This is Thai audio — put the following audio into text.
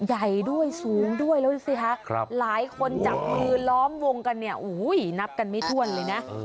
ใหญ่ด้วยสูงด้วยแล้วดูสิคะหลายคนจับมือล้อมวงกันเนี่ยนับกันไม่ถ้วนเลยนะ